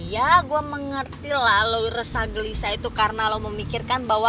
ya gue mengerti lah lo resah gelisah itu karena lo memikirkan bahwa